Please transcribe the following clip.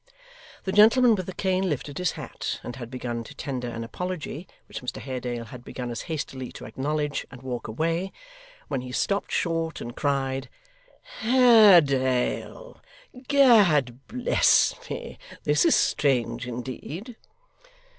The gentleman with the cane lifted his hat and had begun to tender an apology, which Mr Haredale had begun as hastily to acknowledge and walk away, when he stopped short and cried, 'Haredale! Gad bless me, this is strange indeed!